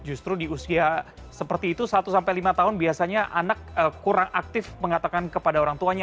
justru di usia seperti itu satu sampai lima tahun biasanya anak kurang aktif mengatakan kepada orang tuanya